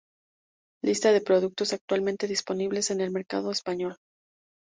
Lista de productos actualmente disponibles en el mercado español.